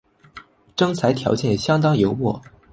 征才条件相当优渥